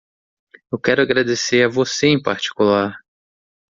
Eu quero agradecer a você em particular.